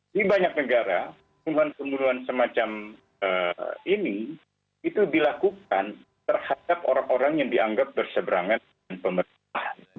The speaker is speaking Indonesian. di banyak negara pembunuhan pembunuhan semacam ini itu dilakukan terhadap orang orang yang dianggap berseberangan dengan pemerintah